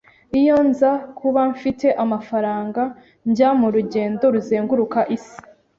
Iyo nza kuba mfite amafaranga, njya murugendo ruzenguruka isi.